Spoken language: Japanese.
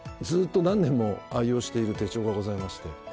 ずっと何年も愛用している手帳がございまして。